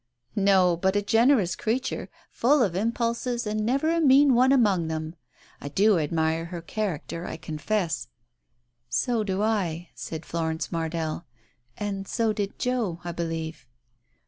"No, but a generous creature, full of impulses and never a mean one among them. I do admire her character, I confess." "So do I," said Florence Mardell. "And so did Joe, I believe."